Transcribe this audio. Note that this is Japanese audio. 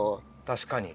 確かに。